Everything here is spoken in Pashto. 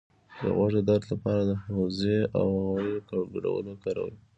د غوږ د درد لپاره د هوږې او غوړیو ګډول وکاروئ